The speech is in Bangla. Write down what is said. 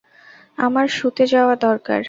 আমার শুতে যাওয়া দরকার।